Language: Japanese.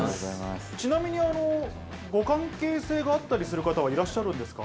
ちなみにご関係性があったりする方はいらっしゃるんですか？